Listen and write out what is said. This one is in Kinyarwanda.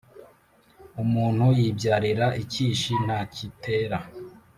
Umuntu yibyarira ikishi nta kitera